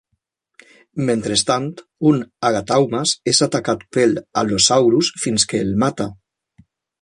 Mentrestant, un "Agathaumas" és atacat pel "Allosaurus" fins que el mata.